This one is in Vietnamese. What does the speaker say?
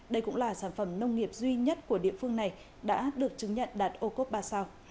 đây cũng là sản phẩm nông nghiệp duy nhất của địa phương này đã được chứng nhận đạt ô cốp ba sao